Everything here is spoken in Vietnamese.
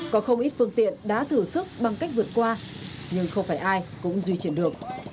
có không ít phương tiện đã thử sức bằng cách vượt qua nhưng không phải ai cũng di chuyển được